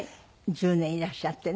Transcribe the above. １０年いらっしゃってね。